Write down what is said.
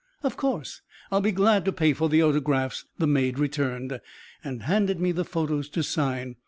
"Of course, I'll be glad to pay for the autographs," the maid returned, and handed me the photos to sign.